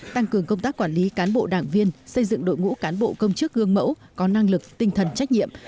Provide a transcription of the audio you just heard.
tăng cường công tác quản lý cán bộ đảng viên xây dựng đội ngũ cán bộ công chức gương mẫu có năng lực tinh thần trách nhiệm